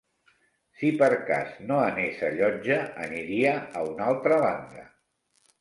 Si per cas no anés a Llotja, aniria a una altra banda